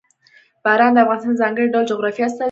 باران د افغانستان د ځانګړي ډول جغرافیه استازیتوب کوي.